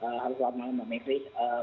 ya selamat malam mbak mekri